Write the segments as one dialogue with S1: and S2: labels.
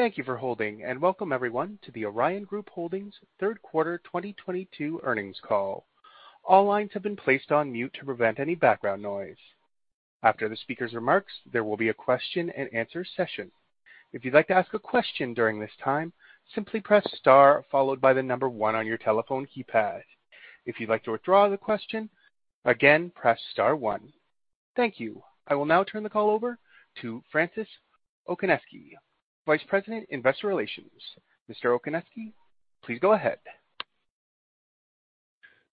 S1: Thank you for holding, and welcome everyone to the Orion Group Holdings third quarter 2022 earnings call. All lines have been placed on mute to prevent any background noise. After the speaker's remarks, there will be a question and answer session. If you'd like to ask a question during this time, simply press star followed by the number one on your telephone keypad. If you'd like to withdraw the question, again, press star one. Thank you. I will now turn the call over to Francis Okoniewski, Vice President, Investor Relations. Mr. Okoniewski, please go ahead.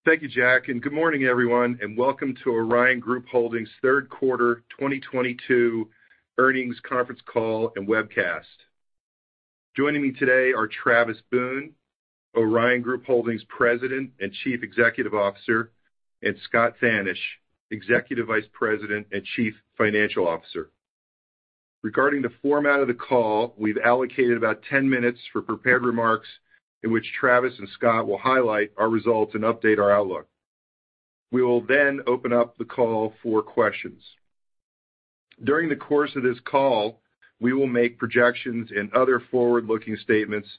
S2: Thank you, Jack, and good morning, everyone, and welcome to Orion Group Holdings third quarter 2022 earnings conference call and webcast. Joining me today are Travis Boone, Orion Group Holdings President and Chief Executive Officer, and Scott Thanisch, Executive Vice President and Chief Financial Officer. Regarding the format of the call, we've allocated about 10 minutes for prepared remarks in which Travis and Scott will highlight our results and update our outlook. We will then open up the call for questions. During the course of this call, we will make projections and other forward-looking statements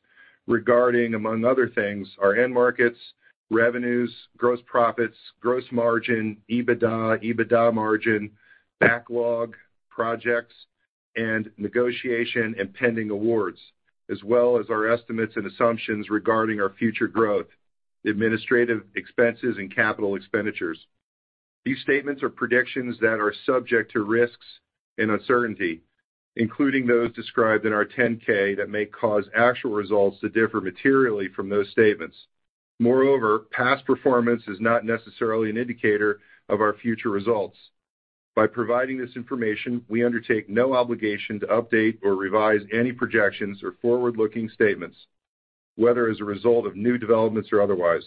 S2: regarding, among other things, our end markets, revenues, gross profits, gross margin, EBITDA margin, backlog, projects, and negotiation and pending awards, as well as our estimates and assumptions regarding our future growth, administrative expenses, and capital expenditures. These statements are predictions that are subject to risks and uncertainty, including those described in our 10-K that may cause actual results to differ materially from those statements. Moreover, past performance is not necessarily an indicator of our future results. By providing this information, we undertake no obligation to update or revise any projections or forward-looking statements, whether as a result of new developments or otherwise.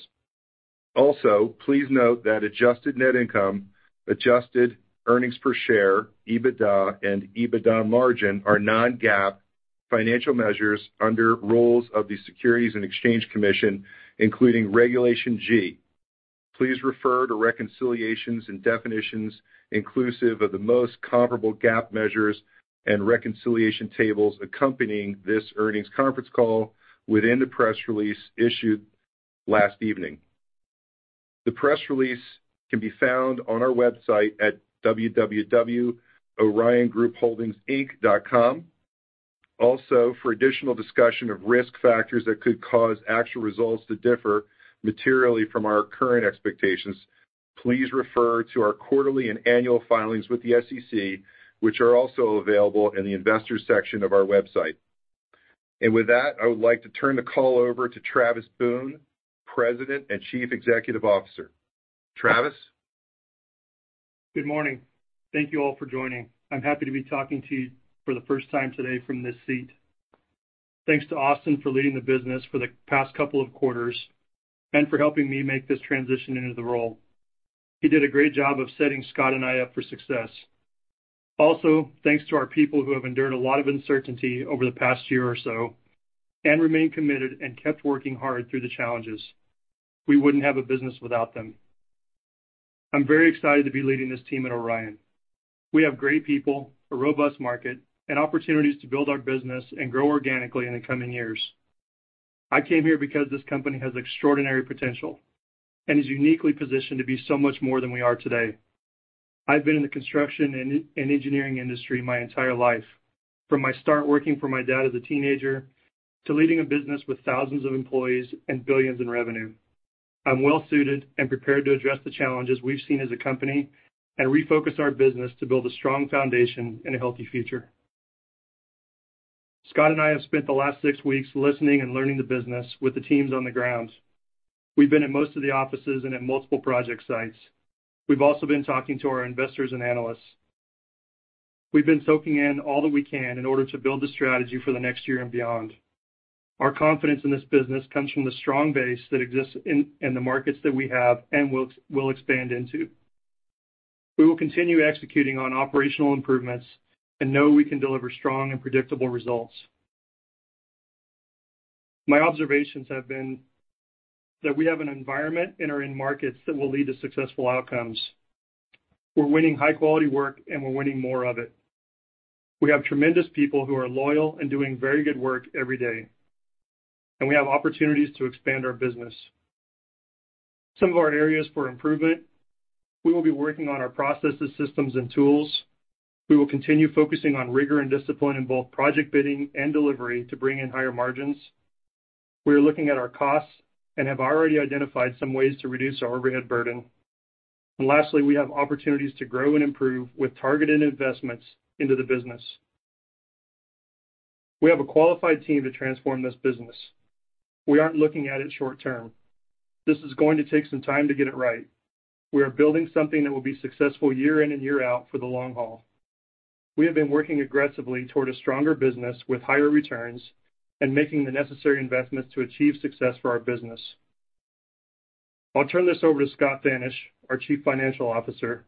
S2: Also, please note that adjusted net income, adjusted earnings per share, EBITDA and EBITDA margin are non-GAAP financial measures under rules of the Securities and Exchange Commission, including Regulation G. Please refer to reconciliations and definitions inclusive of the most comparable GAAP measures and reconciliation tables accompanying this earnings conference call within the press release issued last evening. The press release can be found on our website at www.oriongroupholdingsinc.com. Also, for additional discussion of risk factors that could cause actual results to differ materially from our current expectations, please refer to our quarterly and annual filings with the SEC, which are also available in the investors section of our website. With that, I would like to turn the call over to Travis Boone, President and Chief Executive Officer. Travis.
S3: Good morning. Thank you all for joining. I'm happy to be talking to you for the first time today from this seat. Thanks to Austin for leading the business for the past couple of quarters and for helping me make this transition into the role. He did a great job of setting Scott and I up for success. Also, thanks to our people who have endured a lot of uncertainty over the past year or so and remained committed and kept working hard through the challenges. We wouldn't have a business without them. I'm very excited to be leading this team at Orion. We have great people, a robust market, and opportunities to build our business and grow organically in the coming years. I came here because this company has extraordinary potential and is uniquely positioned to be so much more than we are today. I've been in the construction and engineering industry my entire life, from my start working for my dad as a teenager to leading a business with thousands of employees and billions in revenue. I'm well suited and prepared to address the challenges we've seen as a company and refocus our business to build a strong foundation and a healthy future. Scott and I have spent the last six weeks listening and learning the business with the teams on the ground. We've been at most of the offices and at multiple project sites. We've also been talking to our investors and analysts. We've been soaking in all that we can in order to build the strategy for the next year and beyond. Our confidence in this business comes from the strong base that exists in the markets that we have and will expand into. We will continue executing on operational improvements and know we can deliver strong and predictable results. My observations have been that we have an environment and are in markets that will lead to successful outcomes. We're winning high quality work, and we're winning more of it. We have tremendous people who are loyal and doing very good work every day, and we have opportunities to expand our business. Some of our areas for improvement, we will be working on our processes, systems, and tools. We will continue focusing on rigor and discipline in both project bidding and delivery to bring in higher margins. We are looking at our costs and have already identified some ways to reduce our overhead burden. Lastly, we have opportunities to grow and improve with targeted investments into the business. We have a qualified team to transform this business. We aren't looking at it short term. This is going to take some time to get it right. We are building something that will be successful year in and year out for the long haul. We have been working aggressively toward a stronger business with higher returns and making the necessary investments to achieve success for our business. I'll turn this over to Scott Thanisch, our Chief Financial Officer,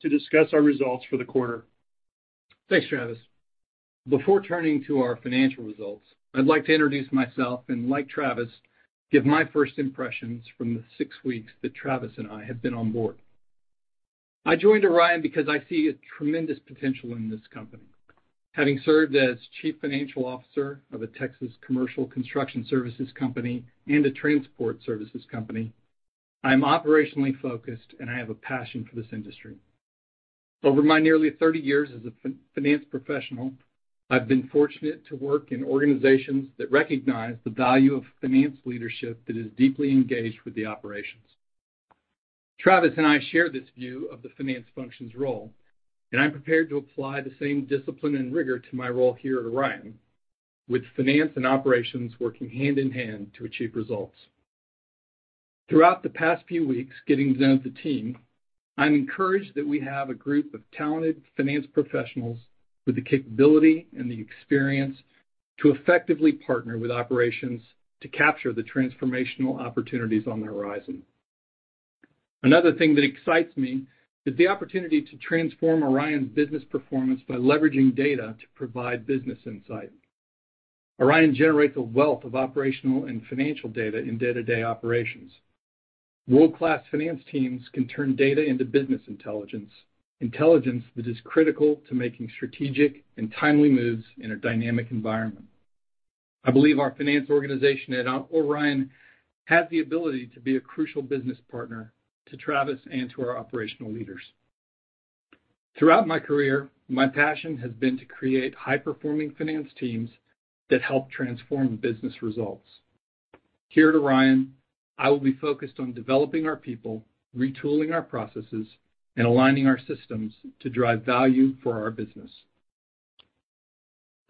S3: to discuss our results for the quarter.
S4: Thanks, Travis. Before turning to our financial results, I'd like to introduce myself and like Travis, give my first impressions from the six weeks that Travis and I have been on board. I joined Orion because I see a tremendous potential in this company. Having served as Chief Financial Officer of a Texas commercial construction services company and a transport services company, I'm operationally focused, and I have a passion for this industry. Over my nearly 30 years as a finance professional, I've been fortunate to work in organizations that recognize the value of finance leadership that is deeply engaged with the operations. Travis and I share this view of the finance function's role, and I'm prepared to apply the same discipline and rigor to my role here at Orion, with finance and operations working hand in hand to achieve results. Throughout the past few weeks getting to know the team, I'm encouraged that we have a group of talented finance professionals with the capability and the experience to effectively partner with operations to capture the transformational opportunities on the horizon. Another thing that excites me is the opportunity to transform Orion's business performance by leveraging data to provide business insight. Orion generates a wealth of operational and financial data in day-to-day operations. World-class finance teams can turn data into business intelligence. Intelligence that is critical to making strategic and timely moves in a dynamic environment. I believe our finance organization at Orion has the ability to be a crucial business partner to Travis and to our operational leaders. Throughout my career, my passion has been to create high-performing finance teams that help transform business results. Here at Orion, I will be focused on developing our people, retooling our processes, and aligning our systems to drive value for our business.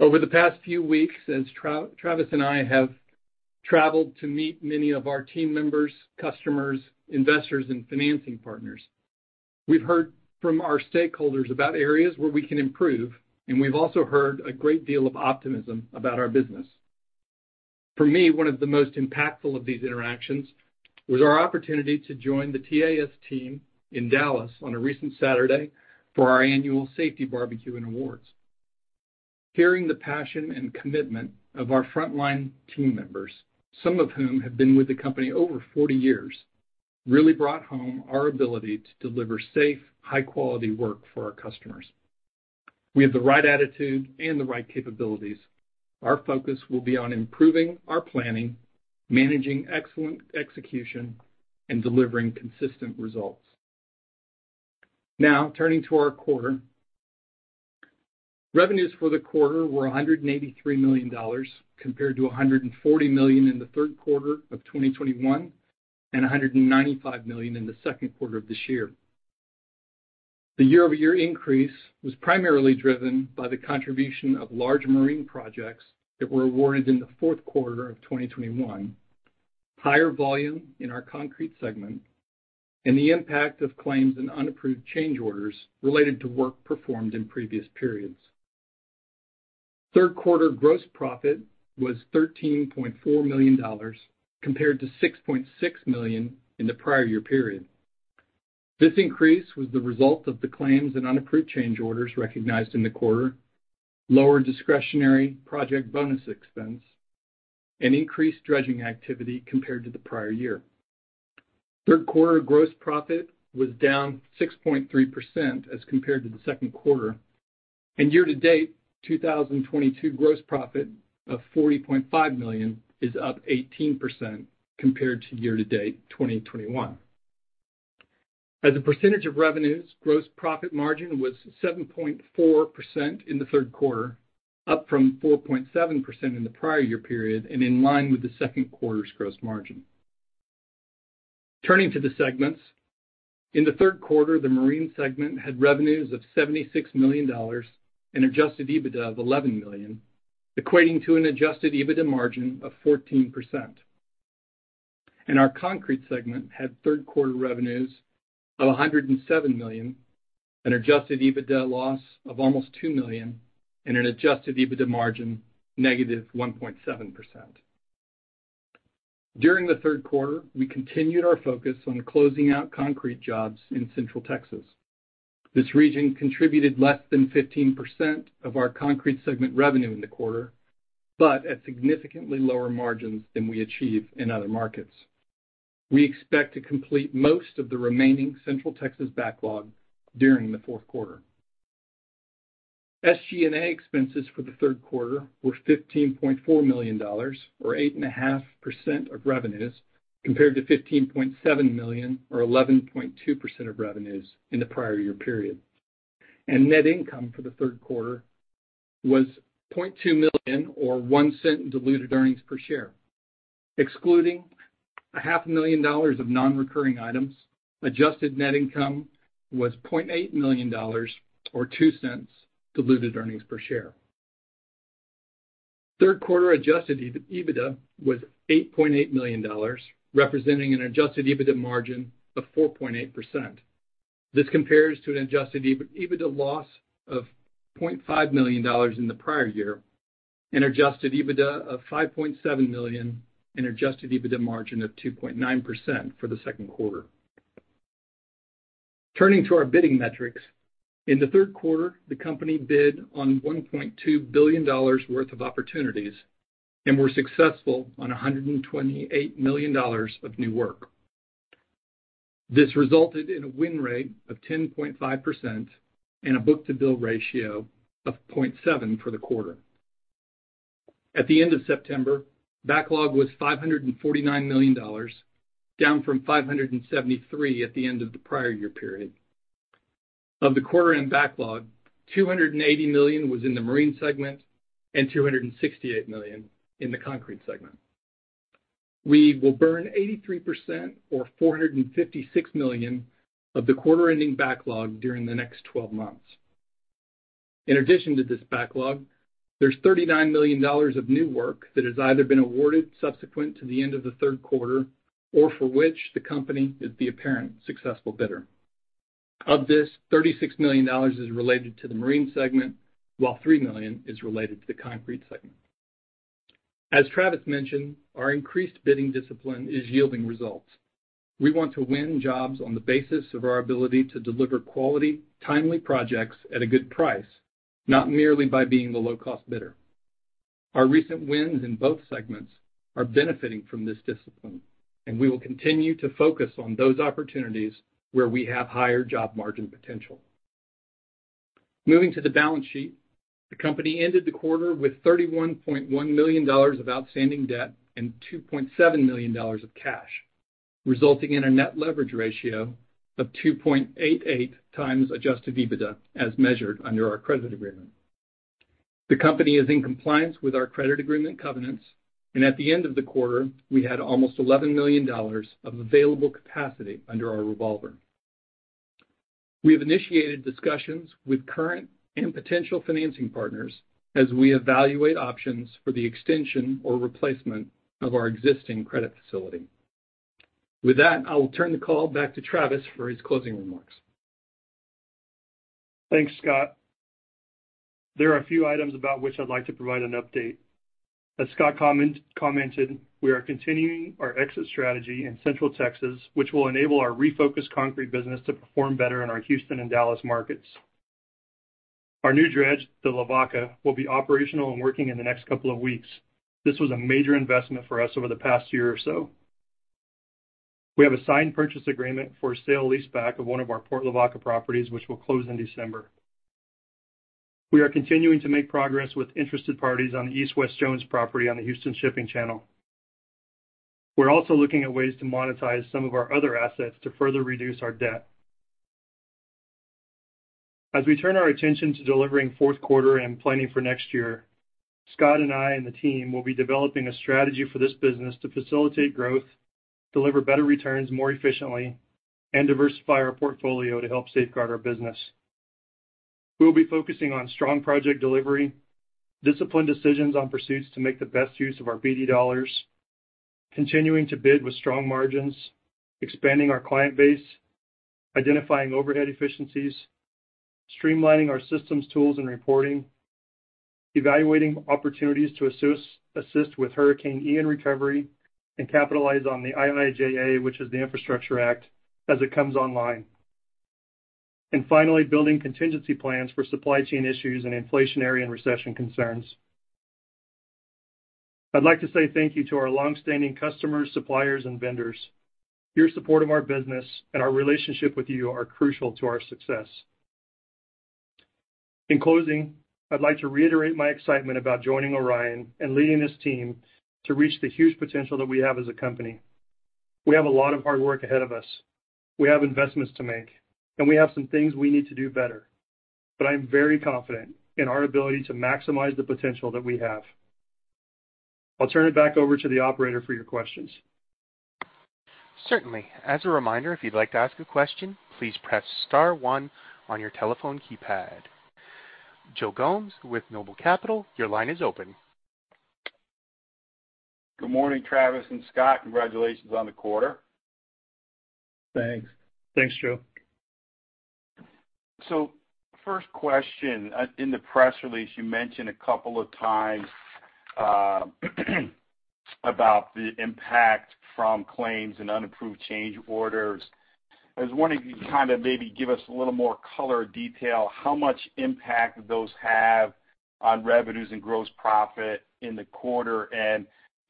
S4: Over the past few weeks, as Travis and I have traveled to meet many of our team members, customers, investors, and financing partners, we've heard from our stakeholders about areas where we can improve, and we've also heard a great deal of optimism about our business. For me, one of the most impactful of these interactions was our opportunity to join the TAS team in Dallas on a recent Saturday for our annual safety barbecue and awards. Hearing the passion and commitment of our frontline team members, some of whom have been with the company over 40 years, really brought home our ability to deliver safe, high-quality work for our customers. We have the right attitude and the right capabilities. Our focus will be on improving our planning, managing excellent execution, and delivering consistent results. Now, turning to our quarter. Revenues for the quarter were $183 million compared to $140 million in the third quarter of 2021, and $195 million in the second quarter of this year. The year-over-year increase was primarily driven by the contribution of large marine projects that were awarded in the fourth quarter of 2021. Higher volume in our concrete segment, and the impact of claims and unapproved change orders related to work performed in previous periods. Third quarter gross profit was $13.4 million, compared to $6.6 million in the prior year period. This increase was the result of the claims and unapproved change orders recognized in the quarter, lower discretionary project bonus expense, and increased dredging activity compared to the prior year. Third quarter gross profit was down 6.3% as compared to the second quarter. Year-to-date, 2022 gross profit of $40.5 million is up 18% compared to year-to-date 2021. As a percentage of revenues, gross profit margin was 7.4% in the third quarter, up from 4.7% in the prior year period and in line with the second quarter's gross margin. Turning to the segments. In the third quarter, the marine segment had revenues of $76 million and adjusted EBITDA of $11 million, equating to an adjusted EBITDA margin of 14%. Our concrete segment had third quarter revenues of $107 million, an adjusted EBITDA loss of almost $2 million and an adjusted EBITDA margin -1.7%. During the third quarter, we continued our focus on closing out concrete jobs in Central Texas. This region contributed less than 15% of our concrete segment revenue in the quarter, but at significantly lower margins than we achieve in other markets. We expect to complete most of the remaining Central Texas backlog during the fourth quarter. SG&A expenses for the third quarter were $15.4 million or 8.5% of revenues compared to $15.7 million or 11.2% of revenues in the prior year period. Net income for the third quarter was $0.2 million or $0.01 diluted earnings per share. Excluding $500,000 of non-recurring items, adjusted net income was $0.8 million or $0.02 diluted earnings per share. Third quarter adjusted EBITDA was $8.8 million, representing an adjusted EBITDA margin of 4.8%. This compares to an adjusted EBITDA loss of $0.5 million in the prior year, and adjusted EBITDA of $5.7 million and adjusted EBITDA margin of 2.9% for the second quarter. Turning to our bidding metrics. In the third quarter, the company bid on $1.2 billion worth of opportunities and were successful on $128 million of new work. This resulted in a win rate of 10.5% and a book-to-bill ratio of 0.7 for the quarter. At the end of September, backlog was $549 million, down from $573 million at the end of the prior year period. Of the quarter-end backlog, $280 million was in the marine segment and $268 million in the concrete segment. We will burn 83% or $456 million of the quarter ending backlog during the next 12 months. In addition to this backlog, there's $39 million of new work that has either been awarded subsequent to the end of the third quarter or for which the company is the apparent successful bidder. Of this, $36 million is related to the marine segment, while $3 million is related to the concrete segment. As Travis mentioned, our increased bidding discipline is yielding results. We want to win jobs on the basis of our ability to deliver quality, timely projects at a good price, not merely by being the low-cost bidder. Our recent wins in both segments are benefiting from this discipline, and we will continue to focus on those opportunities where we have higher job margin potential. Moving to the balance sheet. The company ended the quarter with $31.1 million of outstanding debt and $2.7 million of cash, resulting in a net leverage ratio of 2.88x adjusted EBITDA as measured under our credit agreement. The company is in compliance with our credit agreement covenants, and at the end of the quarter, we had almost $11 million of available capacity under our revolver. We have initiated discussions with current and potential financing partners as we evaluate options for the extension or replacement of our existing credit facility. With that, I will turn the call back to Travis for his closing remarks.
S3: Thanks, Scott. There are a few items about which I'd like to provide an update. As Scott commented, we are continuing our exit strategy in Central Texas, which will enable our refocused concrete business to perform better in our Houston and Dallas markets. Our new dredge, the Lavaca, will be operational and working in the next couple of weeks. This was a major investment for us over the past year or so. We have a signed purchase agreement for sale-leaseback of one of our Port Lavaca properties, which will close in December. We are continuing to make progress with interested parties on the East and West Jones property on the Houston Ship Channel. We're also looking at ways to monetize some of our other assets to further reduce our debt. As we turn our attention to delivering fourth quarter and planning for next year, Scott and I and the team will be developing a strategy for this business to facilitate growth, deliver better returns more efficiently, and diversify our portfolio to help safeguard our business. We will be focusing on strong project delivery, disciplined decisions on pursuits to make the best use of our BD dollars, continuing to bid with strong margins, expanding our client base, identifying overhead efficiencies, streamlining our systems, tools, and reporting, evaluating opportunities to assist with Hurricane Ian recovery and capitalize on the IIJA, which is the Infrastructure Act, as it comes online. Finally, building contingency plans for supply chain issues and inflationary and recession concerns. I'd like to say thank you to our long-standing customers, suppliers, and vendors. Your support of our business and our relationship with you are crucial to our success. In closing, I'd like to reiterate my excitement about joining Orion and leading this team to reach the huge potential that we have as a company. We have a lot of hard work ahead of us. We have investments to make, and we have some things we need to do better. I am very confident in our ability to maximize the potential that we have. I'll turn it back over to the operator for your questions.
S1: Certainly. As a reminder, if you'd like to ask a question, please press star one on your telephone keypad. Joe Gomes with Noble Capital Markets, your line is open.
S5: Good morning, Travis and Scott. Congratulations on the quarter.
S3: Thanks.
S4: Thanks, Joe.
S5: First question. In the press release, you mentioned a couple of times about the impact from claims and unapproved change orders. I was wondering if you kind of maybe give us a little more color detail how much impact those have on revenues and gross profit in the quarter.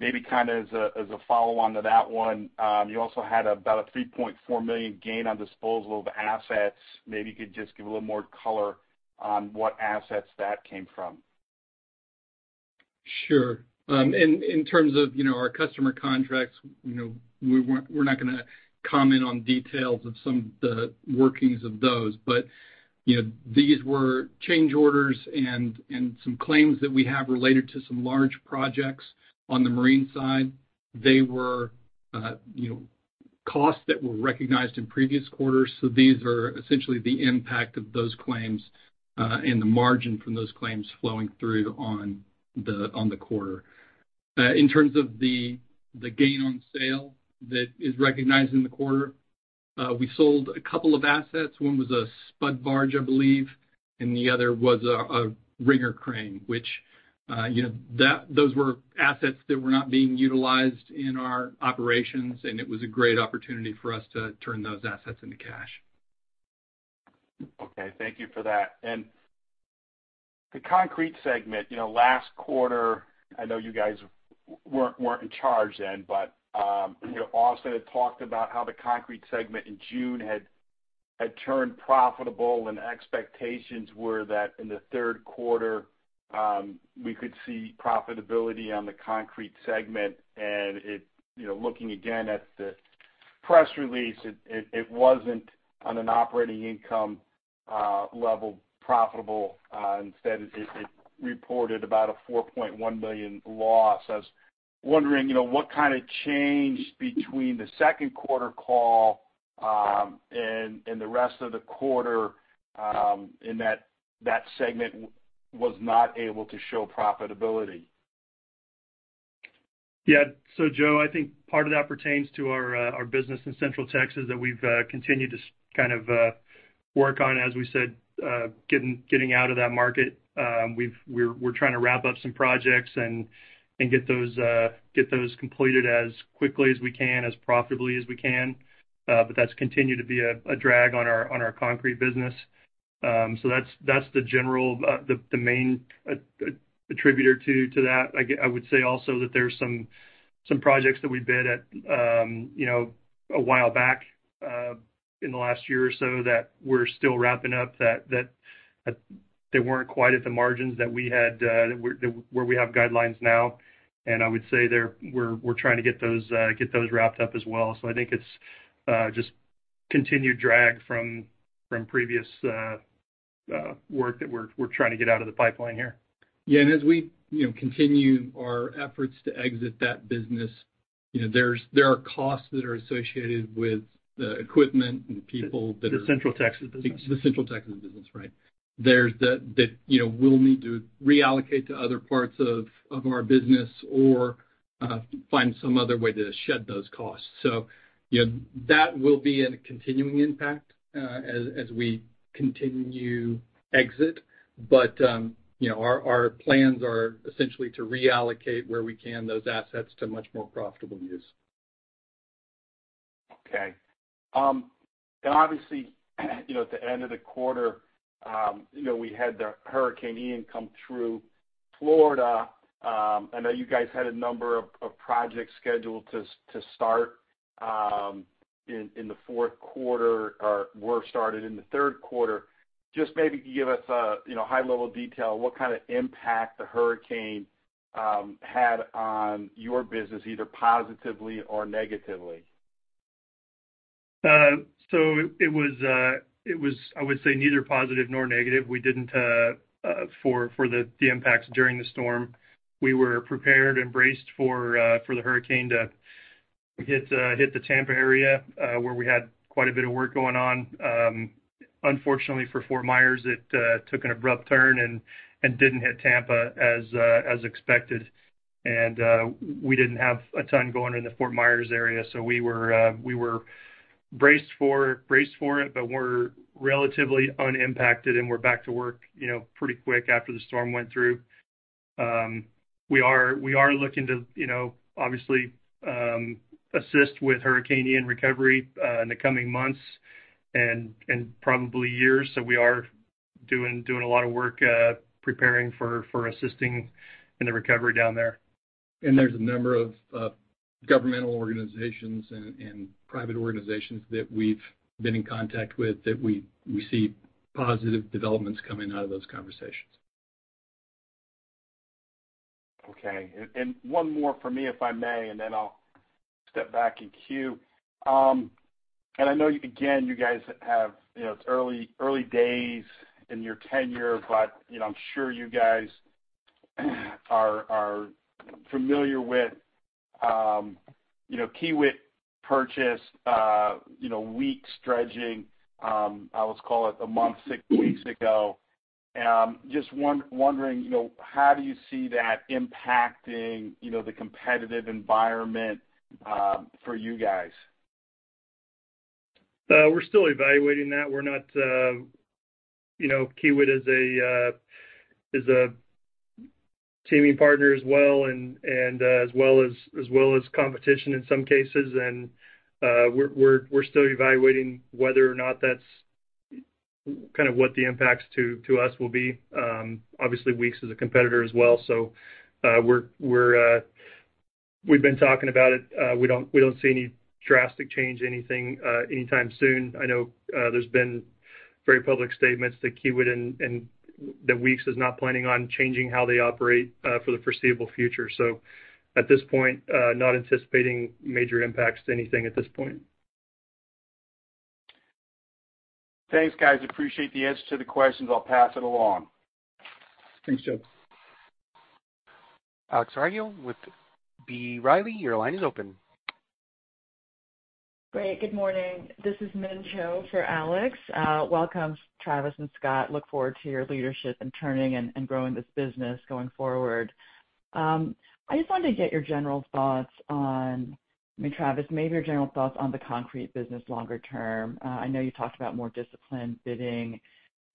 S5: Maybe kind of as a follow-on to that one, you also had about a $3.4 million gain on disposal of assets. Maybe you could just give a little more color on what assets that came from.
S4: Sure. In terms of, you know, our customer contracts, you know, we're not gonna comment on details of some of the workings of those. You know, these were change orders and some claims that we have related to some large projects on the marine side. They were, you know, costs that were recognized in previous quarters. These are essentially the impact of those claims, and the margin from those claims flowing through on the quarter. In terms of the gain on sale that is recognized in the quarter, we sold a couple of assets. One was a spud barge, I believe. The other was a ringer crane, which, you know, those were assets that were not being utilized in our operations, and it was a great opportunity for us to turn those assets into cash.
S5: Okay, thank you for that. The concrete segment, you know, last quarter, I know you guys weren't in charge then, but, you know, Austin had talked about how the concrete segment in June had turned profitable and expectations were that in the third quarter, we could see profitability on the concrete segment. It you know, looking again at the press release, it wasn't on an operating income level profitable. Instead it reported about a $4.1 million loss. I was wondering, you know, what kind of changed between the second quarter call and the rest of the quarter and that segment was not able to show profitability.
S3: Yeah. Joe, I think part of that pertains to our business in Central Texas that we've continued to kind of work on, as we said, getting out of that market. We're trying to wrap up some projects and get those completed as quickly as we can, as profitably as we can. That's continued to be a drag on our concrete business. That's the general, the main contributor to that. I would say also that there's some projects that we bid at, you know, a while back, in the last year or so that we're still wrapping up, that they weren't quite at the margins that we had, where we have guidelines now. I would say we're trying to get those wrapped up as well. I think it's just continued drag from previous work that we're trying to get out of the pipeline here.
S4: Yeah, as we, you know, continue our efforts to exit that business, you know, there are costs that are associated with the equipment and people that are
S3: The Central Texas business.
S4: The Central Texas business, right. There's that, you know, we'll need to reallocate to other parts of our business or find some other way to shed those costs. You know, that will be a continuing impact as we continue exit. You know, our plans are essentially to reallocate, where we can, those assets to much more profitable use.
S5: Okay. Obviously, you know, at the end of the quarter, you know, we had the Hurricane Ian come through Florida. I know you guys had a number of projects scheduled to start in the fourth quarter or were started in the third quarter. Just maybe give us a, you know, high level detail, what kind of impact the hurricane had on your business, either positively or negatively?
S3: It was, I would say, neither positive nor negative. We were prepared and braced for the hurricane to hit the Tampa area where we had quite a bit of work going on. Unfortunately for Fort Myers, it took an abrupt turn and didn't hit Tampa as expected. We didn't have a ton going in the Fort Myers area, so we were braced for it, but we're relatively unimpacted, and we're back to work, you know, pretty quick after the storm went through. We are looking to, you know, obviously, assist with Hurricane Ian recovery in the coming months and probably years. We are doing a lot of work preparing for assisting in the recovery down there.
S4: There's a number of governmental organizations and private organizations that we've been in contact with that we see positive developments coming out of those conversations.
S5: Okay. One more for me, if I may, and then I'll step back and queue. I know, again, you guys have, you know, it's early days in your tenure, but, you know, I'm sure you guys are familiar with, you know, Kiewit purchase, you know, Weeks Marine, I always call it a month, six weeks ago. Just wondering, you know, how do you see that impacting, you know, the competitive environment, for you guys?
S3: We're still evaluating that. We're not, you know, Kiewit is a teaming partner as well as competition in some cases. We're still evaluating whether or not that's kind of what the impacts to us will be. Obviously, Weeks is a competitor as well. We're, we've been talking about it. We don't see any drastic change anything anytime soon. I know, there's been very public statements that Kiewit and that Weeks is not planning on changing how they operate for the foreseeable future. At this point, not anticipating major impacts to anything at this point.
S5: Thanks, guys. Appreciate the answers to the questions. I'll pass it along.
S3: Thanks, Joe.
S1: Alex Rygiel with B. Riley Securities, your line is open.
S6: Great. Good morning. This is Min Cho for Alex. Welcome, Travis and Scott. Look forward to your leadership in turning and growing this business going forward. I just wanted to get your general thoughts on. I mean, Travis, maybe your general thoughts on the concrete business longer term. I know you talked about more disciplined bidding,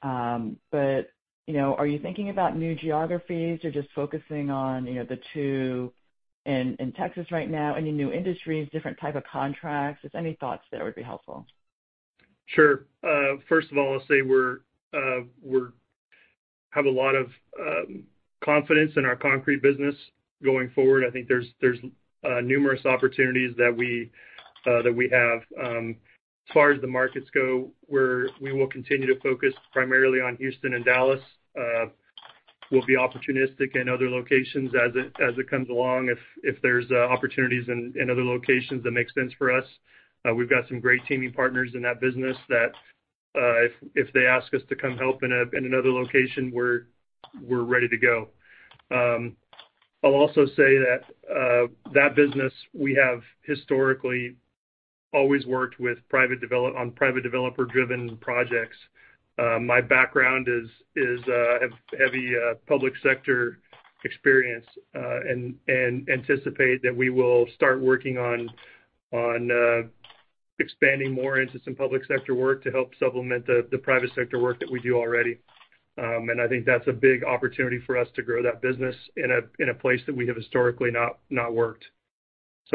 S6: but, you know, are you thinking about new geographies or just focusing on, you know, the two in Texas right now? Any new industries, different type of contracts? Just any thoughts there would be helpful.
S3: Sure. First of all, I'll say we have a lot of confidence in our concrete business going forward. I think there's numerous opportunities that we have. As far as the markets go, we will continue to focus primarily on Houston and Dallas. We'll be opportunistic in other locations as it comes along, if there's opportunities in other locations that make sense for us. We've got some great teaming partners in that business that if they ask us to come help in another location, we're ready to go. I'll also say that business, we have historically always worked on private developer-driven projects. My background is heavy public sector experience, and anticipate that we will start working on expanding more into some public sector work to help supplement the private sector work that we do already. I think that's a big opportunity for us to grow that business in a place that we have historically not worked.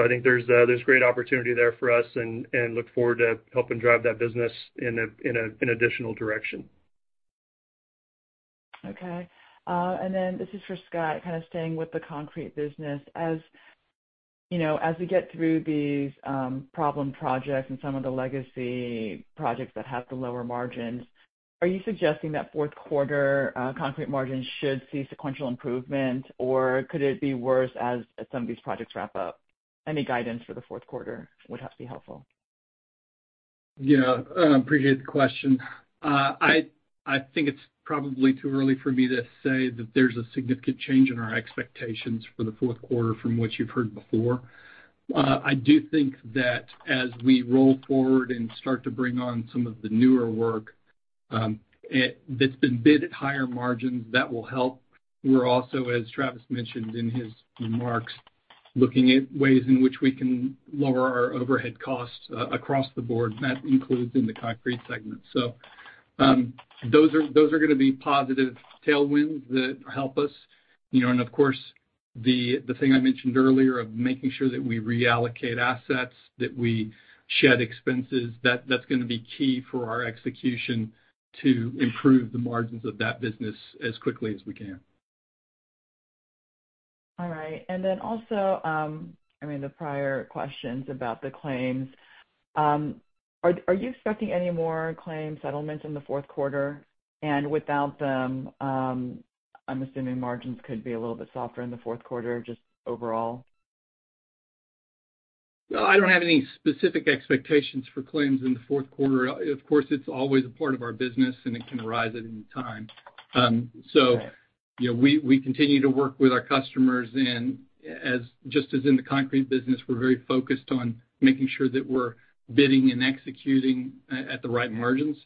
S3: I think there's great opportunity there for us and look forward to helping drive that business in an additional direction.
S6: Okay. This is for Scott, kind of staying with the concrete business. As you know, as we get through these problem projects and some of the legacy projects that have the lower margins, are you suggesting that fourth quarter concrete margins should see sequential improvement, or could it be worse as some of these projects wrap up? Any guidance for the fourth quarter would have to be helpful.
S4: Yeah. I appreciate the question. I think it's probably too early for me to say that there's a significant change in our expectations for the fourth quarter from what you've heard before. I do think that as we roll forward and start to bring on some of the newer work, that's been bid at higher margins, that will help. We're also, as Travis mentioned in his remarks, looking at ways in which we can lower our overhead costs across the board, and that includes in the concrete segment. Those are gonna be positive tailwinds that help us. You know, and of course, the thing I mentioned earlier of making sure that we reallocate assets, that we shed expenses, that's gonna be key for our execution to improve the margins of that business as quickly as we can.
S6: All right. Also, I mean, the prior questions about the claims, are you expecting any more claim settlements in the fourth quarter? Without them, I'm assuming margins could be a little bit softer in the fourth quarter just overall.
S4: No, I don't have any specific expectations for claims in the fourth quarter. Of course, it's always a part of our business, and it can arise at any time. You know, we continue to work with our customers, and just as in the concrete business, we're very focused on making sure that we're bidding and executing at the right margins.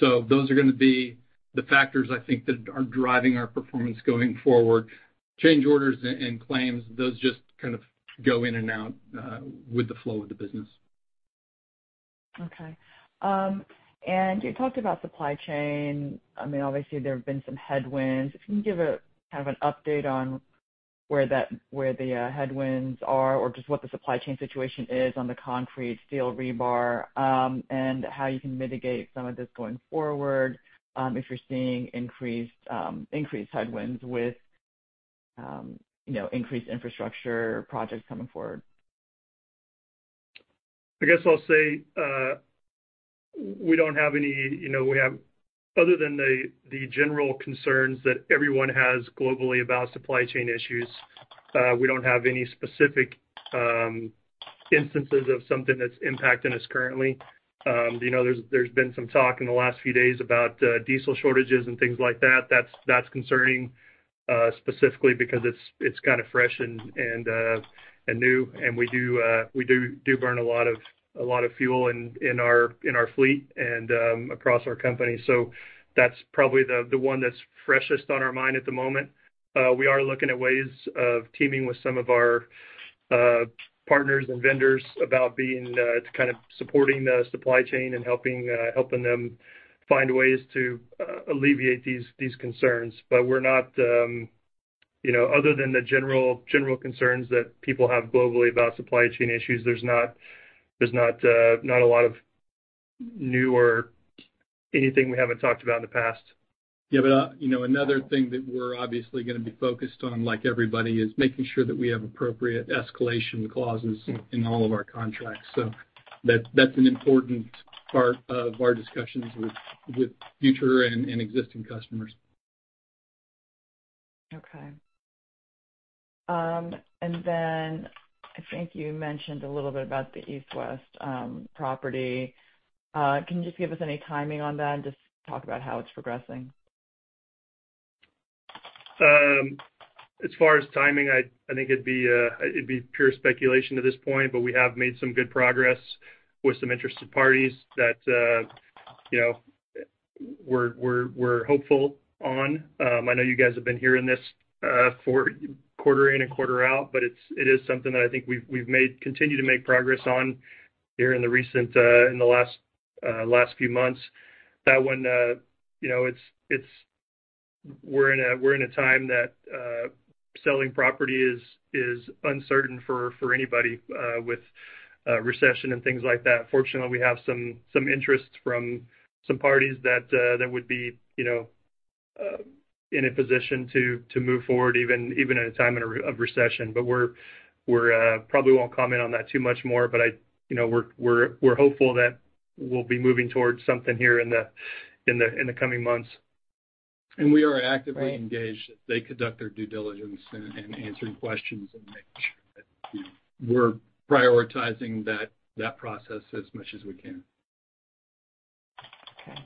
S4: Those are gonna be the factors I think that are driving our performance going forward. Change orders and claims, those just kind of go in and out with the flow of the business.
S6: Okay. You talked about supply chain. I mean, obviously, there have been some headwinds. Can you give a kind of an update on where the headwinds are or just what the supply chain situation is on the concrete, steel, rebar, and how you can mitigate some of this going forward, if you're seeing increased headwinds with you know, increased infrastructure projects coming forward?
S3: I guess I'll say, we don't have any, you know, we have other than the general concerns that everyone has globally about supply chain issues, we don't have any specific instances of something that's impacting us currently. You know, there's been some talk in the last few days about diesel shortages and things like that. That's concerning, specifically because it's kind of fresh and new, and we do burn a lot of fuel in our fleet and across our company. That's probably the one that's freshest on our mind at the moment. We are looking at ways of teaming with some of our partners and vendors to kind of supporting the supply chain and helping them find ways to alleviate these concerns. We're not, you know, other than the general concerns that people have globally about supply chain issues, there's not a lot of new or anything we haven't talked about in the past.
S4: You know, another thing that we're obviously gonna be focused on, like everybody, is making sure that we have appropriate escalation clauses in all of our contracts. That's an important part of our discussions with future and existing customers.
S6: Okay. I think you mentioned a little bit about the East and West Jones property. Can you just give us any timing on that and just talk about how it's progressing?
S3: As far as timing, I think it'd be pure speculation to this point, but we have made some good progress with some interested parties that you know, we're hopeful on. I know you guys have been hearing this for quarter in and quarter out, but it is something that I think we continue to make progress on here in the last few months. That one, you know, it's. We're in a time that selling property is uncertain for anybody with recession and things like that. Fortunately, we have some interest from some parties that would be, you know, in a position to move forward even in a time of recession. We're probably won't comment on that too much more, but I, you know, we're hopeful that we'll be moving towards something here in the coming months.
S4: We are actively engaged as they conduct their due diligence and answering questions and making sure that, you know, we're prioritizing that process as much as we can.
S6: Okay.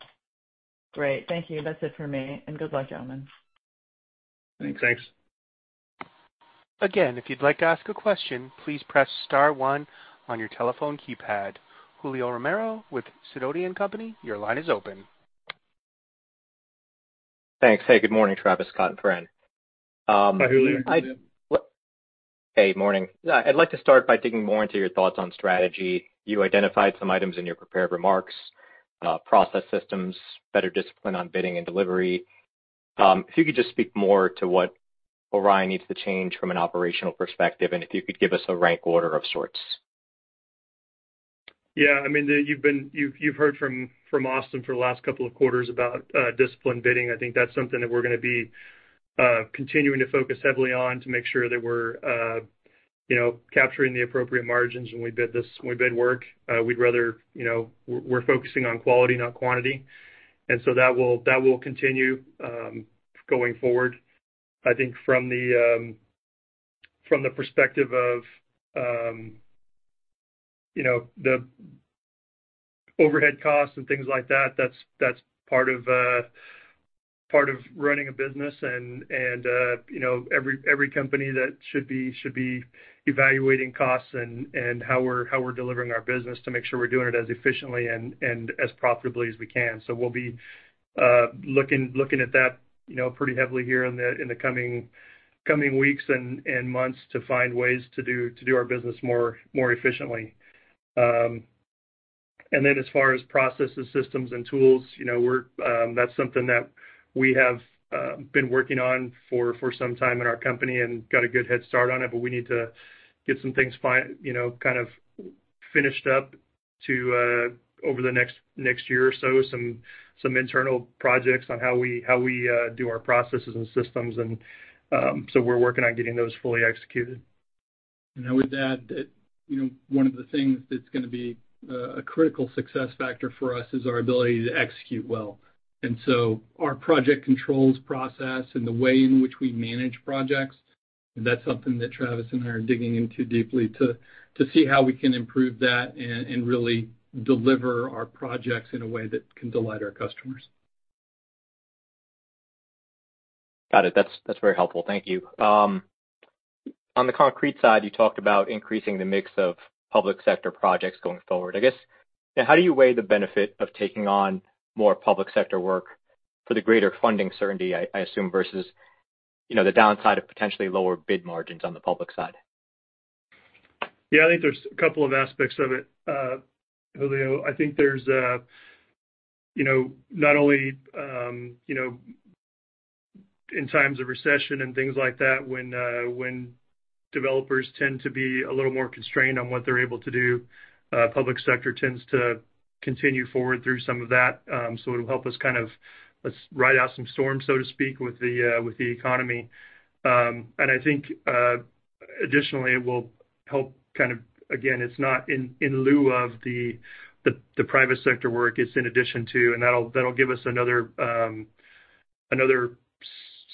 S6: Great. Thank you. That's it for me, and good luck, gentlemen.
S3: Thanks.
S4: Thanks.
S1: Again, if you'd like to ask a question, please press star one on your telephone keypad. Julio Romero with Sidoti & Company, your line is open.
S7: Thanks. Hey, good morning, Travis, Scott, and Fran.
S3: Hi, Julio.
S7: Hey, morning. I'd like to start by digging more into your thoughts on strategy. You identified some items in your prepared remarks, process systems, better discipline on bidding and delivery. If you could just speak more to what Orion needs to change from an operational perspective, and if you could give us a rank order of sorts.
S3: Yeah. I mean, you've heard from Austin for the last couple of quarters about discipline bidding. I think that's something that we're gonna be continuing to focus heavily on to make sure that we're you know, capturing the appropriate margins when we bid work. We'd rather, you know, we're focusing on quality, not quantity. That will continue going forward. I think from the perspective of you know, the overhead costs and things like that's part of running a business and you know, every company should be evaluating costs and how we're delivering our business to make sure we're doing it as efficiently and as profitably as we can. We'll be looking at that, you know, pretty heavily here in the coming weeks and months to find ways to do our business more efficiently. As far as processes, systems, and tools, you know, that's something that we have been working on for some time in our company and got a good head start on it, but we need to get some things finished up to over the next year or so, some internal projects on how we do our processes and systems, and so we're working on getting those fully executed.
S4: I would add that, you know, one of the things that's gonna be a critical success factor for us is our ability to execute well. Our project controls process and the way in which we manage projects, that's something that Travis and I are digging into deeply to see how we can improve that and really deliver our projects in a way that can delight our customers.
S7: Got it. That's very helpful. Thank you. On the concrete side, you talked about increasing the mix of public sector projects going forward. I guess, how do you weigh the benefit of taking on more public sector work for the greater funding certainty, I assume, versus, you know, the downside of potentially lower bid margins on the public side?
S3: Yeah. I think there's a couple of aspects of it, Julio. I think there's a you know not only you know in times of recession and things like that when developers tend to be a little more constrained on what they're able to do public sector tends to continue forward through some of that. It'll help us kind of ride out some storms so to speak with the economy. I think additionally it will help kind of again. It's not in lieu of the private sector work it's in addition to and that'll give us another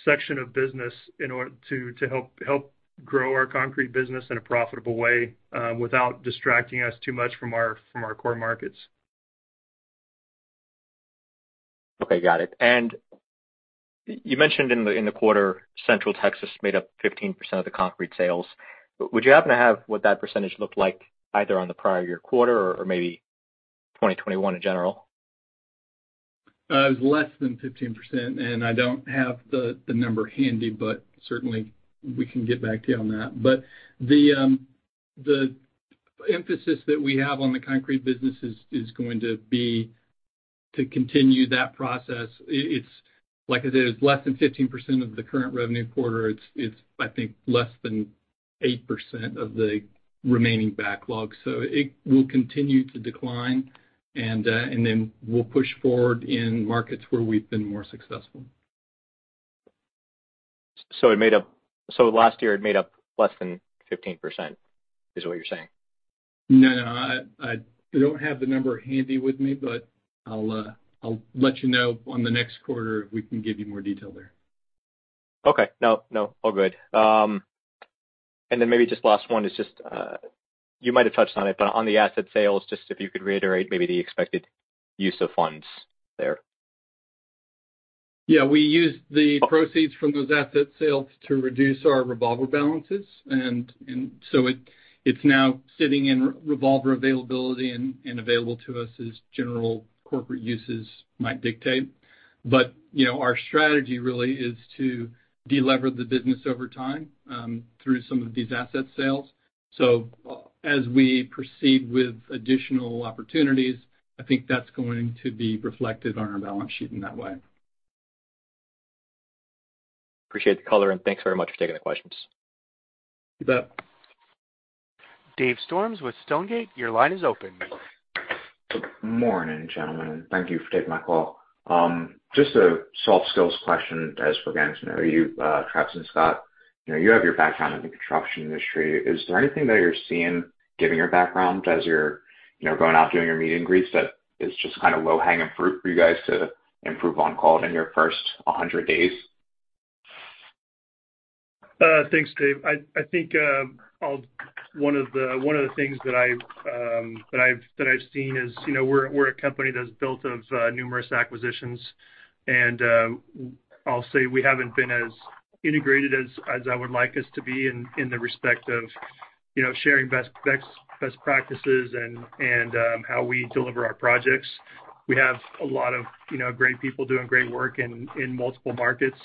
S3: section of business in order to help grow our concrete business in a profitable way without distracting us too much from our core markets.
S7: Okay, got it. You mentioned in the quarter, Central Texas made up 15% of the concrete sales. Would you happen to have what that percentage looked like either on the prior year quarter or maybe 2021 in general?
S4: It was less than 15%, and I don't have the number handy, but certainly we can get back to you on that. The emphasis that we have on the concrete business is going to be to continue that process. It's like I said, it's less than 15% of the current revenue quarter. It's I think less than 8% of the remaining backlog. It will continue to decline and then we'll push forward in markets where we've been more successful.
S7: Last year, it made up less than 15%, is what you're saying?
S4: No. I don't have the number handy with me, but I'll let you know on the next quarter if we can give you more detail there.
S7: Okay. No, no, all good. Maybe just last one is just, you might have touched on it, but on the asset sales, just if you could reiterate maybe the expected use of funds there.
S4: Yeah, we used the proceeds from those asset sales to reduce our revolver balances. It's now sitting in revolver availability and available to us as general corporate uses might dictate. You know, our strategy really is to delever the business over time through some of these asset sales. As we proceed with additional opportunities, I think that's going to be reflected on our balance sheet in that way.
S7: Appreciate the color, and thanks very much for taking the questions.
S4: You bet.
S1: Dave Storms with Stonegate, your line is open.
S8: Morning, gentlemen. Thank you for taking my call. Just a softball question, as we're getting to know you, Travis and Scott, you know, you have your background in the construction industry. Is there anything that you're seeing, given your background, as you're, you know, going out, doing your meet and greets that is just kind of low-hanging fruit for you guys to improve on, call it, in your first 100 days?
S3: Thanks, Dave. I think one of the things that I've seen is, you know, we're a company that's built of numerous acquisitions, and I'll say we haven't been as integrated as I would like us to be in the respect of, you know, sharing best practices and how we deliver our projects. We have a lot of, you know, great people doing great work in multiple markets,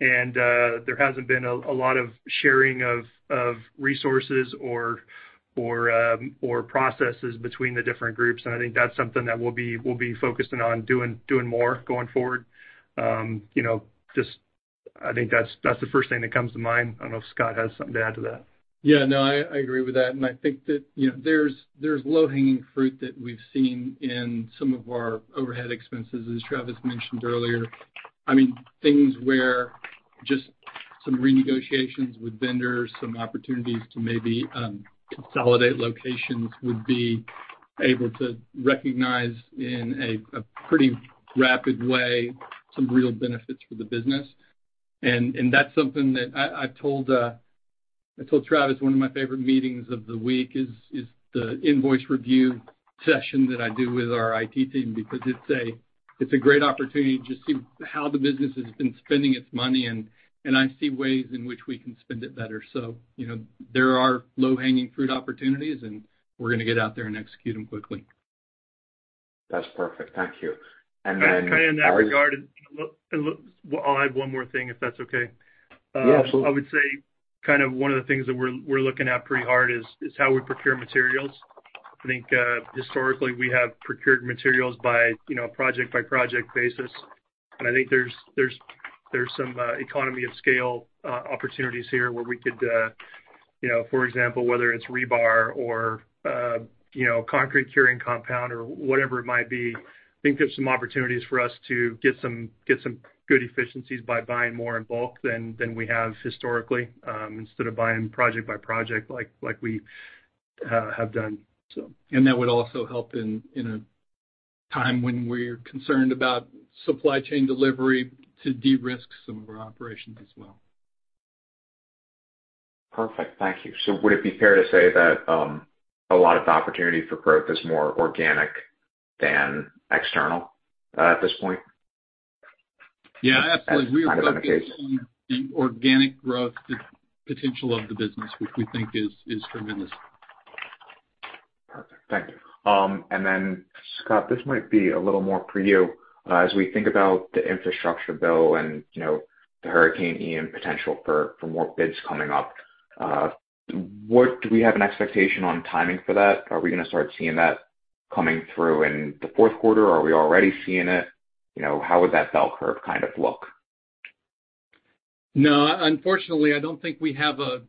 S3: and there hasn't been a lot of sharing of resources or processes between the different groups. I think that's something that we'll be focusing on doing more going forward. You know, just I think that's the first thing that comes to mind. I don't know if Scott has something to add to that.
S4: Yeah. No, I agree with that. I think that, you know, there's low-hanging fruit that we've seen in some of our overhead expenses, as Travis mentioned earlier. I mean, things where just some renegotiations with vendors, some opportunities to maybe consolidate locations would be able to recognize in a pretty rapid way some real benefits for the business. That's something that I've told Travis one of my favorite meetings of the week is the invoice review session that I do with our IT team because it's a great opportunity to see how the business has been spending its money and I see ways in which we can spend it better. You know, there are low-hanging fruit opportunities, and we're gonna get out there and execute them quickly.
S8: That's perfect. Thank you.
S3: Can I, in that regard, and look, I'll add one more thing if that's okay.
S8: Yeah, absolutely.
S3: I would say kind of one of the things that we're looking at pretty hard is how we procure materials. I think historically, we have procured materials by, you know, project-by-project basis. I think there's some economy of scale opportunities here where we could, you know, for example, whether it's rebar or, you know, concrete curing compound or whatever it might be, I think there's some opportunities for us to get some good efficiencies by buying more in bulk than we have historically, instead of buying project by project like we have done.
S4: That would also help in a time when we're concerned about supply chain delivery to de-risk some of our operations as well.
S8: Perfect. Thank you. Would it be fair to say that a lot of the opportunity for growth is more organic than external at this point?
S4: Yeah, absolutely.
S8: As kind of the case.
S4: We are focusing on the organic growth potential of the business, which we think is tremendous.
S8: Perfect. Thank you. Scott, this might be a little more for you. As we think about the infrastructure bill and, you know, the Hurricane Ian potential for more bids coming up, what do we have an expectation on timing for that? Are we gonna start seeing that coming through in the fourth quarter? Are we already seeing it? You know, how would that bell curve kind of look?
S4: No, unfortunately, I don't think we have a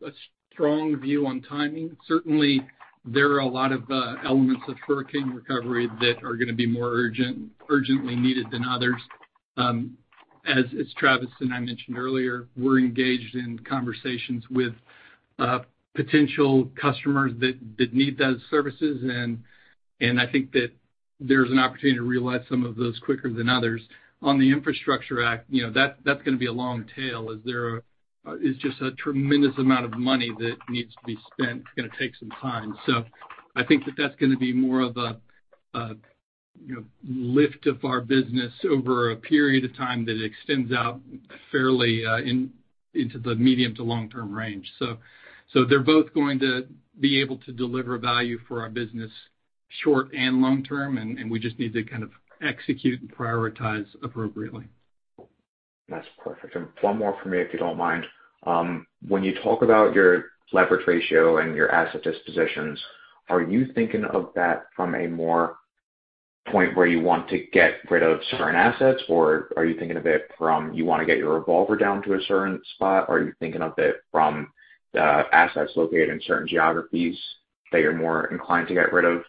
S4: strong view on timing. Certainly, there are a lot of elements of hurricane recovery that are gonna be more urgently needed than others. As Travis and I mentioned earlier, we're engaged in conversations with potential customers that need those services, and I think that there's an opportunity to realize some of those quicker than others. On the Infrastructure Act, you know, that's gonna be a long tail as there is just a tremendous amount of money that needs to be spent. It's gonna take some time. I think that that's gonna be more of a you know lift of our business over a period of time that extends out fairly into the medium to long-term range. They're both going to be able to deliver value for our business short and long term, and we just need to kind of execute and prioritize appropriately.
S8: That's perfect. One more from me, if you don't mind. When you talk about your leverage ratio and your asset dispositions, are you thinking of that from a point where you want to get rid of certain assets, or are you thinking of it from you wanna get your revolver down to a certain spot? Are you thinking of it from the assets located in certain geographies that you're more inclined to get rid of?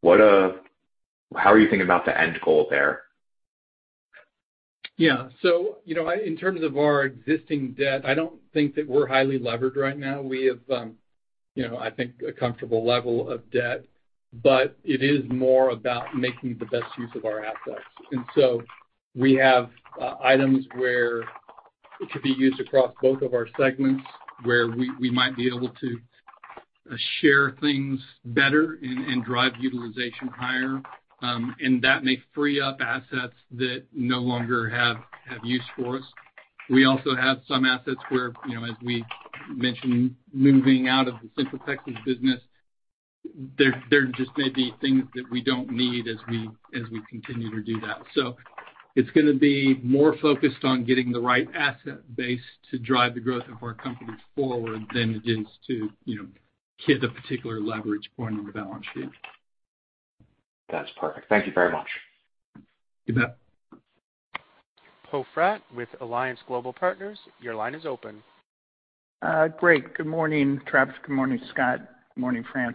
S8: What, How are you thinking about the end goal there?
S4: Yeah. In terms of our existing debt, you know, I don't think that we're highly levered right now. We have, you know, I think a comfortable level of debt. It is more about making the best use of our assets. We have items where it could be used across both of our segments where we might be able to share things better and drive utilization higher. That may free up assets that no longer have use for us. We also have some assets where, you know, as we mentioned, moving out of the Central Texas business, there just may be things that we don't need as we continue to do that. It's gonna be more focused on getting the right asset base to drive the growth of our companies forward than it is to, you know, hit a particular leverage point on the balance sheet.
S8: That's perfect. Thank you very much.
S4: You bet.
S1: Poe Fratt with Alliance Global Partners, your line is open.
S9: Great. Good morning, Travis. Good morning, Scott. Good morning, Fran.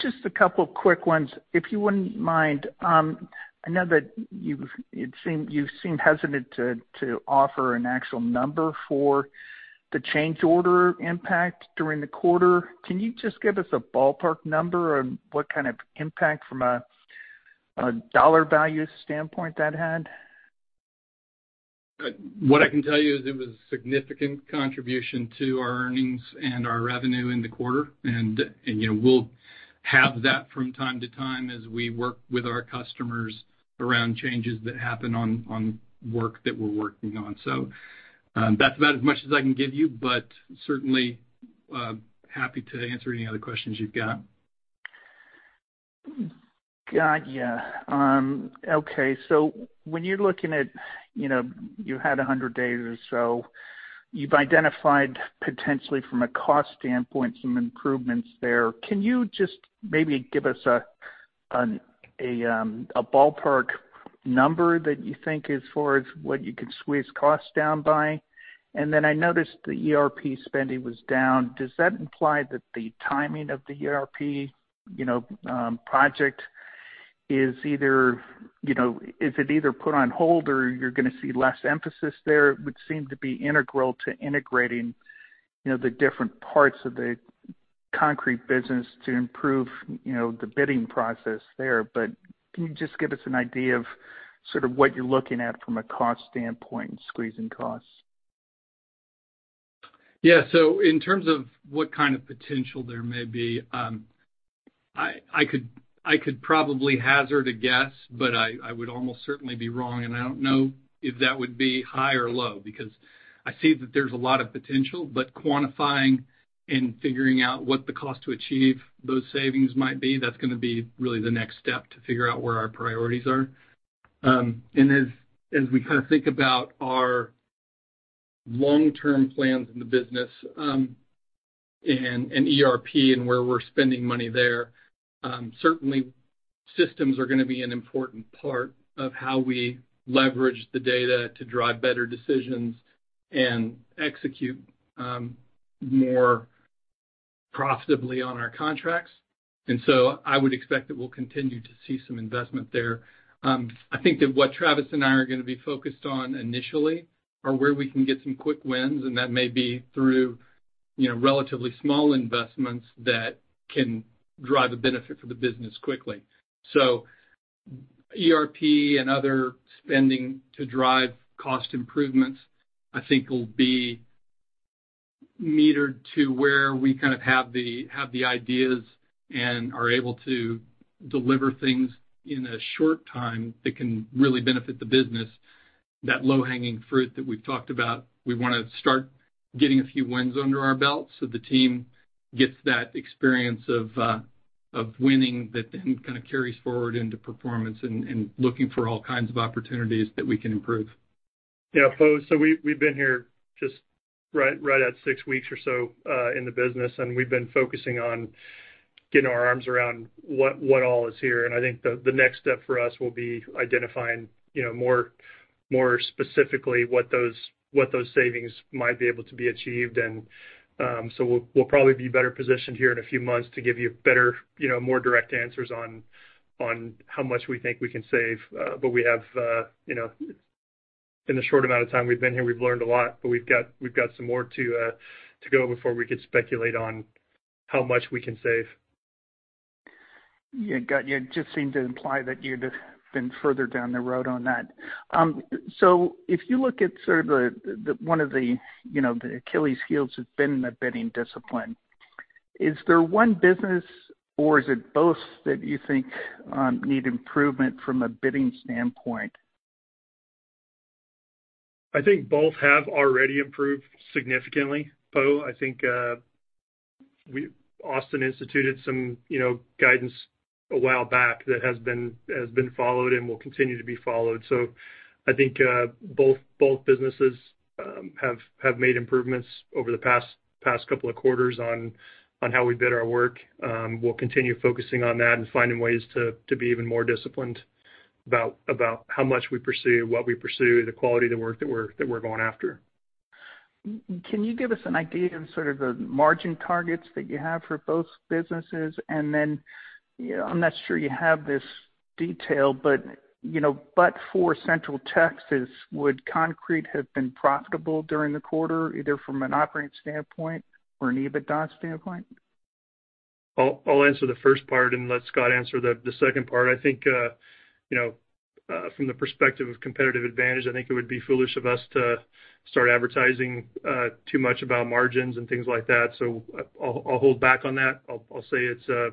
S9: Just a couple quick ones. If you wouldn't mind, I know that it seemed you seem hesitant to offer an actual number for the change order impact during the quarter. Can you just give us a ballpark number on what kind of impact from a dollar value standpoint that had?
S4: What I can tell you is it was a significant contribution to our earnings and our revenue in the quarter. You know, we'll have that from time to time as we work with our customers around changes that happen on work that we're working on. That's about as much as I can give you, but certainly happy to answer any other questions you've got.
S9: Got you. Okay. When you're looking at, you know, you had 100 days or so, you've identified potentially from a cost standpoint some improvements there. Can you just maybe give us a ballpark number that you think as far as what you could squeeze costs down by? Then I noticed the ERP spending was down. Does that imply that the timing of the ERP, you know, project is either put on hold or you're gonna see less emphasis there? It would seem to be integral to integrating, you know, the different parts of the concrete business to improve, you know, the bidding process there. But can you just give us an idea of sort of what you're looking at from a cost standpoint and squeezing costs?
S4: Yeah. In terms of what kind of potential there may be, I could probably hazard a guess, but I would almost certainly be wrong, and I don't know if that would be high or low because I see that there's a lot of potential. Quantifying and figuring out what the cost to achieve those savings might be, that's gonna be really the next step to figure out where our priorities are. As we kind of think about our long-term plans in the business, and ERP and where we're spending money there, certainly systems are gonna be an important part of how we leverage the data to drive better decisions and execute more profitably on our contracts. I would expect that we'll continue to see some investment there. I think that what Travis and I are gonna be focused on initially are where we can get some quick wins, and that may be through, you know, relatively small investments that can drive a benefit for the business quickly. ERP and other spending to drive cost improvements, I think will be metered to where we kind of have the ideas and are able to deliver things in a short time that can really benefit the business. That low-hanging fruit that we've talked about, we wanna start getting a few wins under our belt so the team gets that experience of winning that then kind of carries forward into performance and looking for all kinds of opportunities that we can improve.
S3: Yeah. Poe, we've been here just right at six weeks or so in the business, and we've been focusing on getting our arms around what all is here. I think the next step for us will be identifying, you know, more specifically what those savings might be able to be achieved. So we'll probably be better positioned here in a few months to give you better, you know, more direct answers on how much we think we can save. In the short amount of time we've been here, we've learned a lot, but we've got some more to go before we could speculate on how much we can save.
S9: Yeah. Got you. Just seemed to imply that you'd have been further down the road on that. If you look at sort of the one of the, you know, the Achilles heels has been the bidding discipline, is there one business or is it both that you think need improvement from a bidding standpoint?
S3: I think both have already improved significantly, Poe. I think Austin instituted some, you know, guidance a while back that has been followed and will continue to be followed. I think both businesses have made improvements over the past couple of quarters on how we bid our work. We'll continue focusing on that and finding ways to be even more disciplined about how much we pursue, what we pursue, the quality of the work that we're going after.
S9: Can you give us an idea of sort of the margin targets that you have for both businesses? You know, I'm not sure you have this detail, but, you know, but for Central Texas, would concrete have been profitable during the quarter, either from an operating standpoint or an EBITDA standpoint?
S3: I'll answer the first part and let Scott answer the second part. I think, you know, from the perspective of competitive advantage, I think it would be foolish of us to start advertising too much about margins and things like that. I'll hold back on that. I'll say it's, you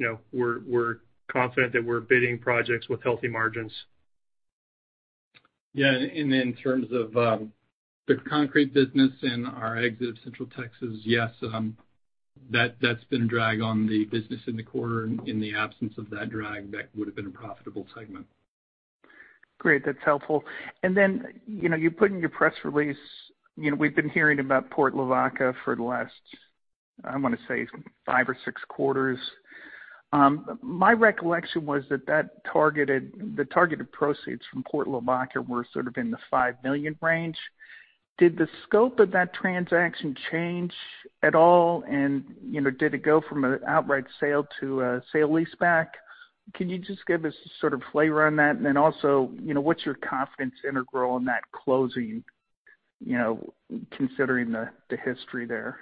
S3: know, we're confident that we're bidding projects with healthy margins.
S4: Yeah. In terms of the concrete business and our exit of Central Texas, yes, that's been a drag on the business in the quarter. In the absence of that drag, that would have been a profitable segment.
S9: Great. That's helpful. You know, you put in your press release, you know, we've been hearing about Lavaca for the last, I wanna say, five or six quarters. My recollection was that the targeted proceeds from Lavaca were sort of in the $5 million range. Did the scope of that transaction change at all? You know, did it go from an outright sale to a sale-leaseback? Can you just give us a sort of flavor on that? Also, you know, what's your confidence integral in that closing, you know, considering the history there?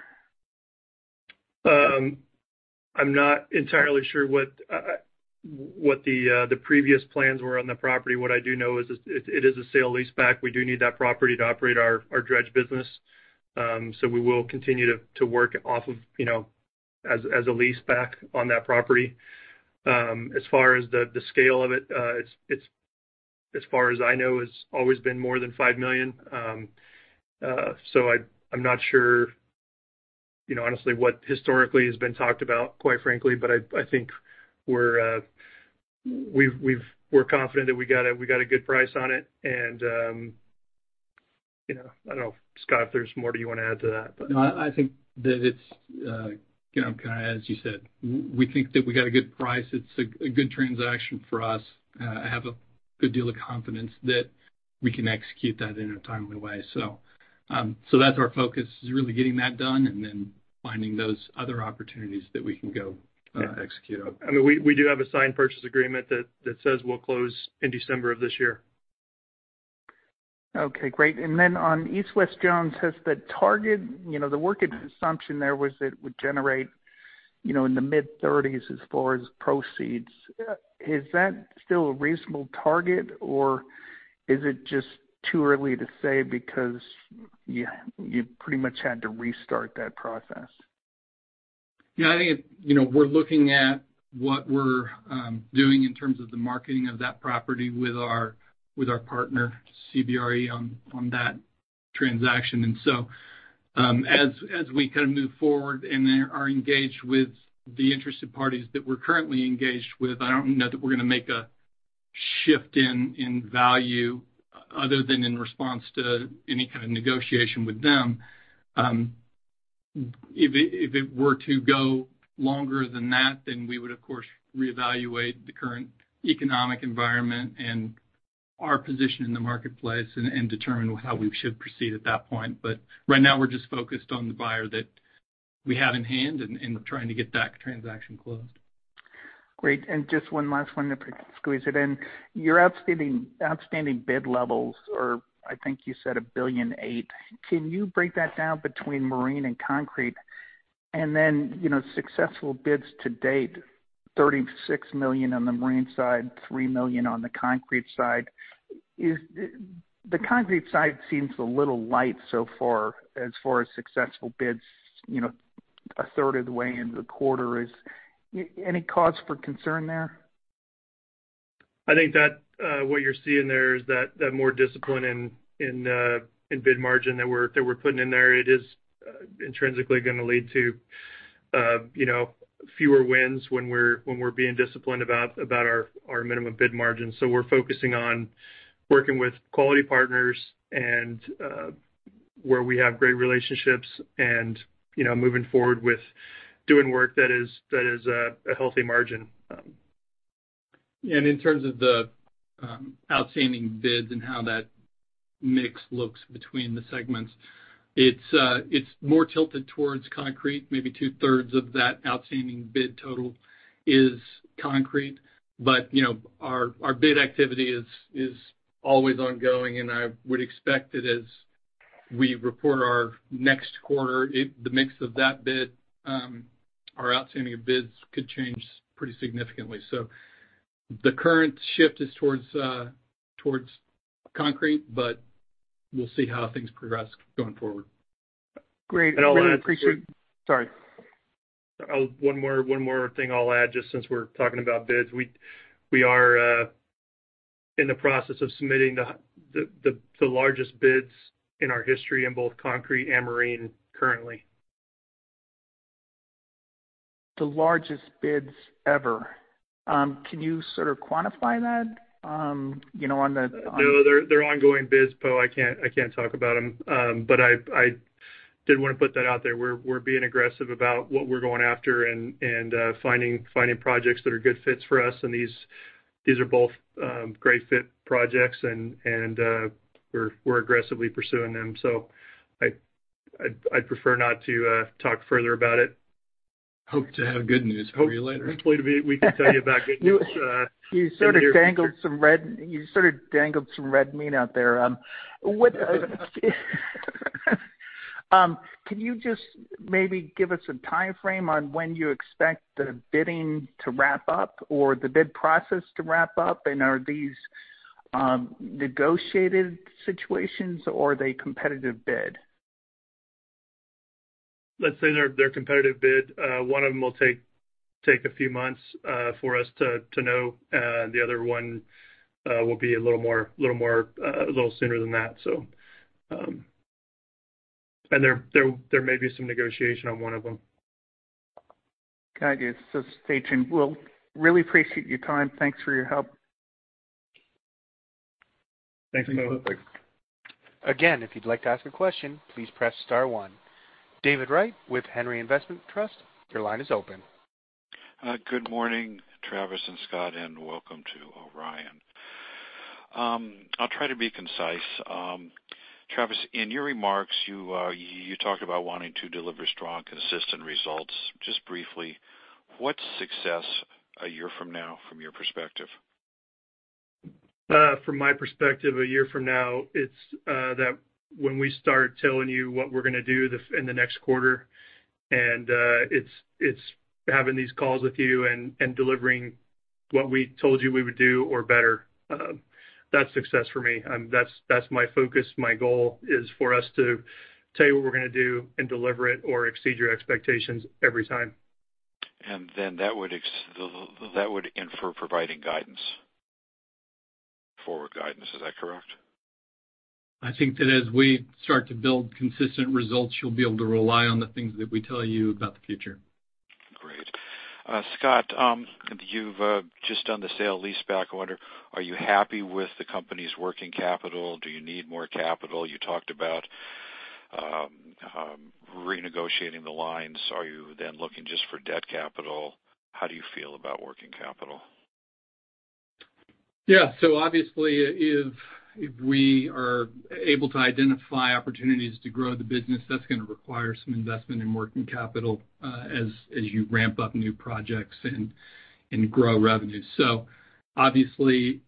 S3: I'm not entirely sure what the previous plans were on the property. What I do know is it is a sale-leaseback. We do need that property to operate our dredge business. We will continue to work off of, you know, as a leaseback on that property. As far as the scale of it's, as far as I know, has always been more than $5 million. I'm not sure, you know, honestly, what historically has been talked about quite frankly. I think we're confident that we got a good price on it and, you know. I don't know, Scott, if there's more that you wanna add to that, but.
S4: No, I think that it's, you know, kinda as you said, we think that we got a good price. It's a good transaction for us. I have a good deal of confidence that we can execute that in a timely way. That's our focus is really getting that done and then finding those other opportunities that we can go execute on.
S3: I mean, we do have a signed purchase agreement that says we'll close in December of this year.
S9: Okay, great. Then on East and West Jones, what's the target, you know, the working assumption there was that it would generate, you know, dollars in the mid-30s as far as proceeds. Is that still a reasonable target, or is it just too early to say because you pretty much had to restart that process?
S4: Yeah, I think, you know, we're looking at what we're doing in terms of the marketing of that property with our partner, CBRE, on that transaction. As we kind of move forward and are engaged with the interested parties that we're currently engaged with, I don't know that we're gonna make a shift in value other than in response to any kind of negotiation with them. If it were to go longer than that, then we would of course reevaluate the current economic environment and our position in the marketplace and determine how we should proceed at that point. Right now, we're just focused on the buyer that we have in hand and trying to get that transaction closed.
S9: Great. Just one last one to squeeze it in. Your outstanding bid levels are, I think you said, $1.008 billion. Can you break that down between marine and concrete? Then, you know, successful bids to date, $36 million on the marine side, $3 million on the concrete side. Is the concrete side seems a little light so far, as far as successful bids, you know, a third of the way into the quarter. Is any cause for concern there?
S3: I think that what you're seeing there is that more discipline in bid margin that we're putting in there, it is intrinsically gonna lead to you know, fewer wins when we're being disciplined about our minimum bid margins. We're focusing on working with quality partners and where we have great relationships and you know, moving forward with doing work that is a healthy margin.
S4: In terms of the outstanding bids and how that mix looks between the segments, it's more tilted towards concrete. Maybe 2/3 of that outstanding bid total is concrete. You know, our bid activity is always ongoing, and I would expect that as we report our next quarter, the mix of that bid, our outstanding bids could change pretty significantly. The current shift is towards concrete, but we'll see how things progress going forward.
S9: Great. Really appreciate.
S3: And I'll add-
S9: Sorry.
S3: One more thing I'll add, just since we're talking about bids. We are in the process of submitting the largest bids in our history in both concrete and marine currently.
S9: The largest bids ever. Can you sort of quantify that, you know, on the, on-
S3: No, they're ongoing bids, Poe. I can't talk about them. I did wanna put that out there. We're being aggressive about what we're going after and finding projects that are good fits for us. These are both great fit projects and we're aggressively pursuing them. I'd prefer not to talk further about it.
S4: Hope to have good news for you later.
S3: Hopefully, we can tell you about good news later.
S9: You sort of dangled some red meat out there, what- Can you just maybe give us a time frame on when you expect the bidding to wrap up or the bid process to wrap up? Are these negotiated situations or are they competitive bid?
S3: Let's say they're competitive bid. One of them will take a few months for us to know. The other one will be a little more a little sooner than that. There may be some negotiation on one of them.
S9: Got you. Stay tuned. Well, really appreciate your time. Thanks for your help.
S3: Thanks.
S4: You're welcome.
S1: Again, if you'd like to ask a question, please press star one. David W. Wright with Henry Investment Trust, L.P., your line is open.
S10: Good morning, Travis and Scott, and welcome to Orion. I'll try to be concise. Travis, in your remarks, you talked about wanting to deliver strong, consistent results. Just briefly, what's success a year from now from your perspective?
S3: From my perspective, a year from now, it's that when we start telling you what we're gonna do in the next quarter, and it's having these calls with you and delivering what we told you we would do or better. That's success for me. That's my focus. My goal is for us to tell you what we're gonna do and deliver it or exceed your expectations every time.
S10: That would infer providing guidance. Forward guidance, is that correct?
S3: I think that as we start to build consistent results, you'll be able to rely on the things that we tell you about the future.
S10: Great. Scott, you've just done the sale-leaseback order. Are you happy with the company's working capital? Do you need more capital? You talked about renegotiating the lines. Are you then looking just for debt capital? How do you feel about working capital?
S4: Yeah. Obviously, if we are able to identify opportunities to grow the business, that's gonna require some investment in working capital, as you ramp up new projects and grow revenue. Obviously,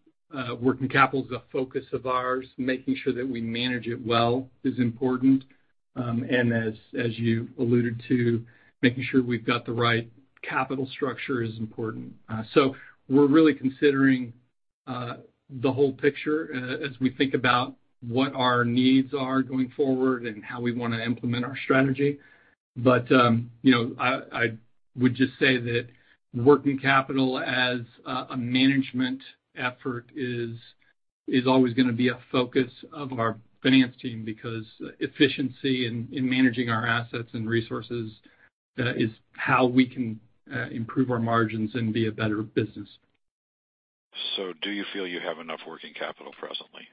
S4: working capital is a focus of ours. Making sure that we manage it well is important. As you alluded to, making sure we've got the right capital structure is important. We're really considering the whole picture as we think about what our needs are going forward and how we wanna implement our strategy. You know, I would just say that working capital as a management effort is always gonna be a focus of our finance team because efficiency in managing our assets and resources is how we can improve our margins and be a better business.
S10: Do you feel you have enough working capital presently?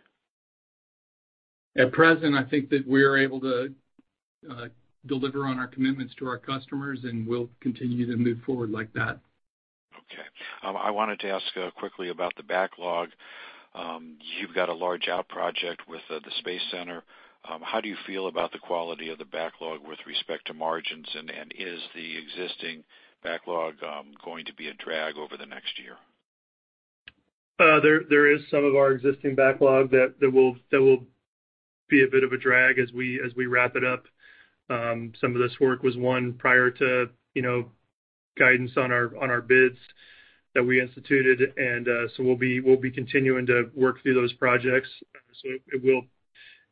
S4: At present, I think that we are able to deliver on our commitments to our customers, and we'll continue to move forward like that.
S10: Okay. I wanted to ask quickly about the backlog. You've got a large award project with the Johnson Space Center. How do you feel about the quality of the backlog with respect to margins? Is the existing backlog going to be a drag over the next year?
S3: There is some of our existing backlog that will be a bit of a drag as we wrap it up. Some of this work was won prior to, you know, guidance on our bids that we instituted. We'll be continuing to work through those projects. It will,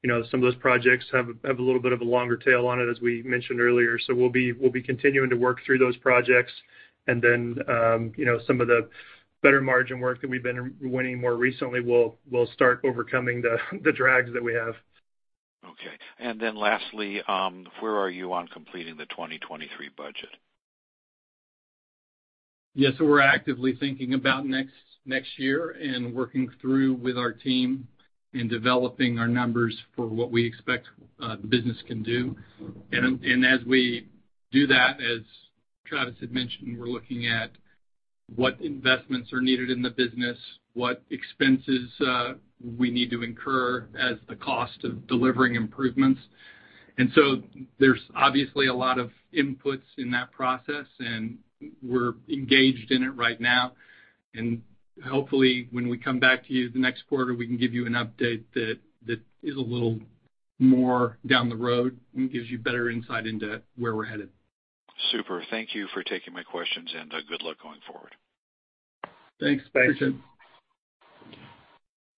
S3: you know, some of those projects have a little bit of a longer tail on it, as we mentioned earlier. We'll be continuing to work through those projects. You know, some of the better margin work that we've been winning more recently will start overcoming the drags that we have.
S10: Okay. Lastly, where are you on completing the 2023 budget?
S4: Yes, we're actively thinking about next year and working through with our team and developing our numbers for what we expect the business can do. As we do that, as Travis had mentioned, we're looking at what investments are needed in the business, what expenses we need to incur as the cost of delivering improvements. There's obviously a lot of inputs in that process, and we're engaged in it right now. Hopefully, when we come back to you the next quarter, we can give you an update that is a little more down the road and gives you better insight into where we're headed.
S10: Super. Thank you for taking my questions, and good luck going forward.
S4: Thanks.
S3: Thanks.
S10: Appreciate it.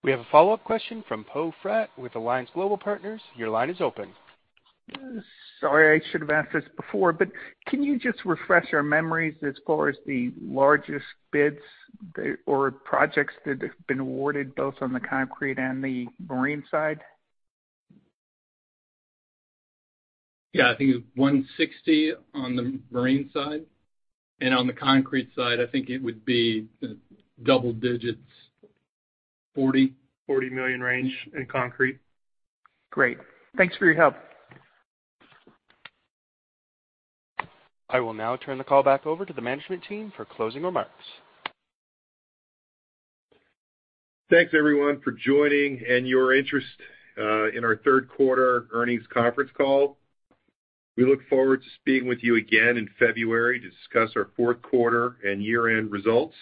S1: We have a follow-up question from Poe Fratt with Alliance Global Partners. Your line is open.
S9: Sorry, I should have asked this before, but can you just refresh our memories as far as the largest bids or projects that have been awarded both on the concrete and the marine side?
S3: Yeah. I think it was $160 on the marine side, and on the concrete side, I think it would be double digits, $40 million range in concrete.
S9: Great. Thanks for your help.
S1: I will now turn the call back over to the management team for closing remarks.
S2: Thanks everyone for joining and your interest in our third quarter earnings conference call. We look forward to speaking with you again in February to discuss our fourth quarter and year-end results.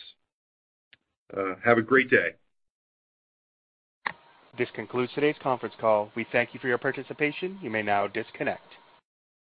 S2: Have a great day.
S1: This concludes today's conference call. We thank you for your participation. You may now disconnect.